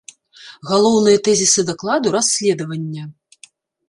Галоўныя тэзісы дакладу расследавання.